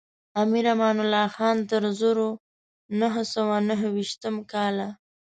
امیر امان الله خان تر زرو نهه سوه نهه ویشتم کاله.